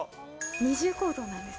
二重構造なんです。